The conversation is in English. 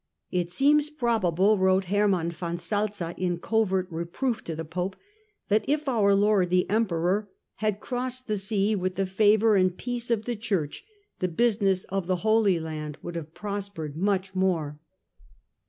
" It seems probable," wrote Hermann von Salza in covert reproof to the Pope, " that if our Lord the Emperor had crossed the sea with the favour and peace of the Church, the business of the Holy Land would have prospered much more."